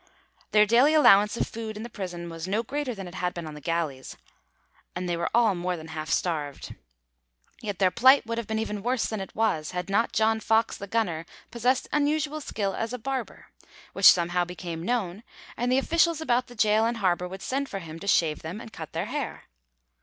Their daily allowance of food in the prison was no greater than it had been on the galleys, and they were all more than half starved. Yet their plight would have been even worse than it was, had not John Fox the gunner possessed unusual skill as a barber, which somehow became known, and the officials about the gaol and harbour would send for him to shave them and cut their hair.